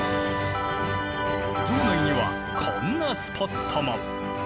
城内にはこんなスポットも。